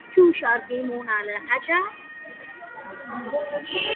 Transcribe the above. Example of these types of organisms are tapeworms and "Trypanasoma".